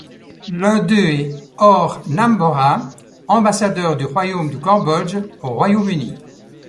L'un d'eux est Hor Nambora, Ambassadeur du Royaume du Cambodge au Royaume-Uni.